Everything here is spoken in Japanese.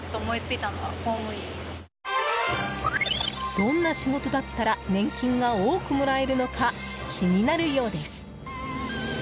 どんな仕事だったら年金が多くもらえるのか気になるようです。